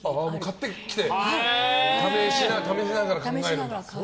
買ってきて試しながら考えると。